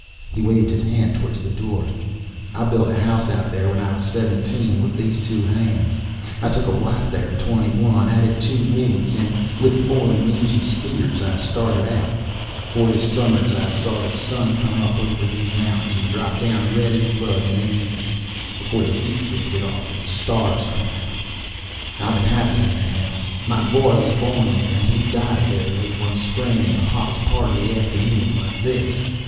He waved his hand toward the door. "I built a house out there when I was seventeen, with these two hands. I took a wife there at twenty one, added two wings, and with four mangy steers I started out. Forty summers I've saw the sun come up over those mountains and drop down red as blood in the evening, before the heat drifted off and the stars came out. I been happy in that house. My boy was born there and he died there, late one spring, in the hottest part of an afternoon like this.